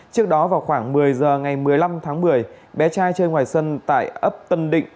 trước đó vào khoảng một mươi giờ ngày một mươi năm tháng một mươi bé trai chơi ngoài sân tại ấp tân định